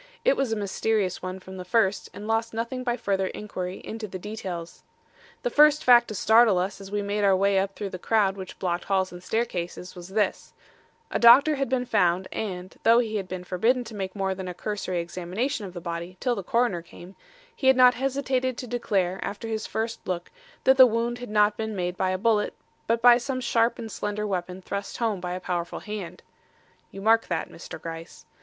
It was a mysterious one from the first, and lost nothing by further inquiry into the details. "The first fact to startle us as we made our way up through the crowd which blocked halls and staircases was this: A doctor had been found and, though he had been forbidden to make more than a cursory examination of the body till the coroner came, he had not hesitated to declare after his first look, that the wound had not been made by a bullet but by some sharp and slender weapon thrust home by a powerful hand. (You mark that, Mr. Gryce.)